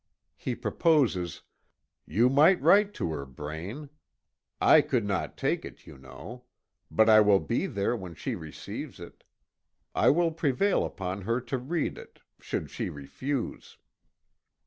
He proposes: "You might write to her, Braine. I could not take it, you know. But I will be there when she receives it. I will prevail upon her to read it, should she refuse."